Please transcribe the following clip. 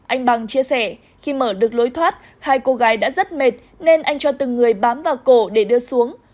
anh bằng chia sẻ khi mở được lối thoát hai cô gái đã rất mệt nên anh cho từng người bám vào cổ để đưa xuống